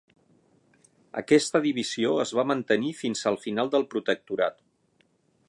Aquesta divisió es va mantenir fins al final del Protectorat.